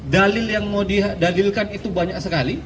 dalil yang mau didalilkan itu banyak sekali